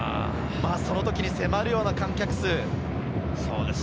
その時に迫るような観客数です。